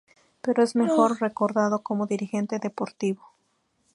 Pero es mejor recordado como dirigente deportivo.